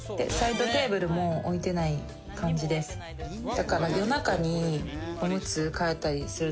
だから。